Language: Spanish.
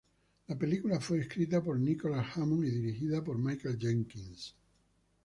La película fue escrita por Nicholas Hammond y dirigida por Michael Jenkins.